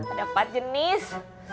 ada empat jenis